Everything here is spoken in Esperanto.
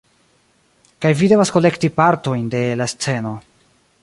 kaj vi devas kolekti partojn de la sceno